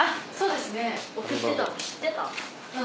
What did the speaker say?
そうですね。